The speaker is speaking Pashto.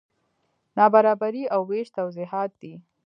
نابرابري او وېش توضیحات دي.